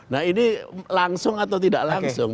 nah ini langsung atau tidak langsung